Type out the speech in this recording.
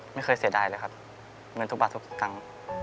ไม่เคยเสียดายเลยครับเงินทุกบาททุกตังค์